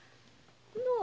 のう？